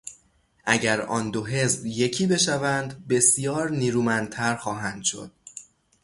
اگر آن دو حزب یکی بشوند بسیار نیرومندتر خواهند شد.